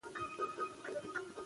هغه د تېر مهال له دردونو سره لوبېده.